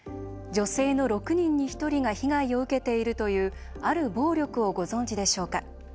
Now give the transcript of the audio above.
女性の６人に１人が被害を受けているというある暴力をご存じでしょうか。